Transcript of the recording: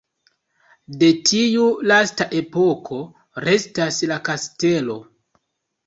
De tiu lasta epoko restas la kastelo.